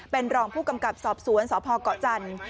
เป็นรองผู้กำกับสอบสวนสพเกาะจันทร์